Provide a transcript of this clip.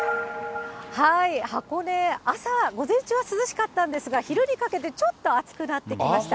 箱根、朝、午前中は涼しかったんですが、昼にかけてちょっと暑くなってきました。